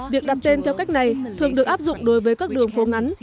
việc đặt tên theo cách này thường được áp dụng đối với các đường phố ngắn